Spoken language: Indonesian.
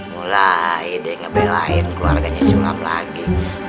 mulai deh ngebelain keluarganya si ulam lagi